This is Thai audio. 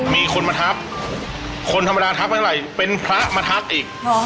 มีคนมาทักคนธรรมดาทักมาเท่าไหร่เป็นพระมาทักอีก